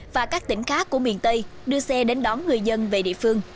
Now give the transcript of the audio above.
và các tỉnh khác của miền tây đưa xe đến đón người dân về địa phương